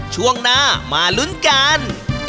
ช่วงหน้ามาลุ้นกัน